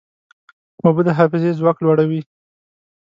اوبه د حافظې ځواک لوړوي.